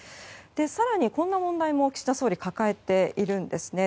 更に、こんな問題も岸田総理、抱えているんですね。